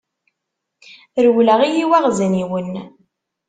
Rewleɣ i yiwaɣezniwen.